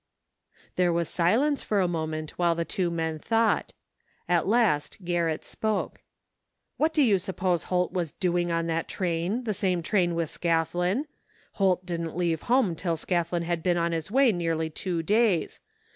" There was silence for a moment while the two men thought. At last Garrett spoke: " What do you suppose Holt was doing on that train — ^the same train with Scathlin? Holt didn't leave home till Scathlin had been on his way nearly two days.